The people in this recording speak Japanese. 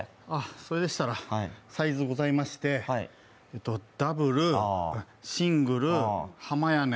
それでしたらサイズございまして、ダブル、シングル、はまやねん。